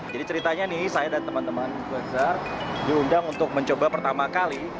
jadi ceritanya nih saya dan teman teman besar diundang untuk mencoba pertama kali